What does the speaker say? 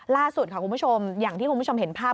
ล่าสุดค่ะคุณผู้ชมอย่างที่คุณผู้ชมเห็นภาพ